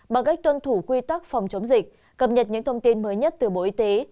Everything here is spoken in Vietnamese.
bằng cách tuân thủ quy tắc phòng chống dịch cập nhật những thông tin mới nhất từ bộ y tế